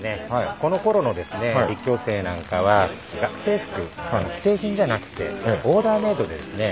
このころのですね立教生なんかは学生服が既製品じゃなくてオーダーメイドでですね。